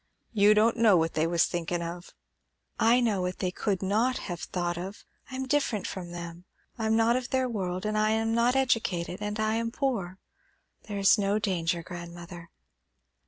"You don' know what they was thinkin' of." "I know what they could not have thought of. I am different from them; I am not of their world; and I am not educated, and I am poor. There is no danger, grandmother."